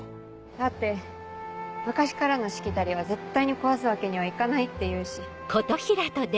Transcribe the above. だって昔からのしきたりは絶対に壊すわけにはいかないって言うし。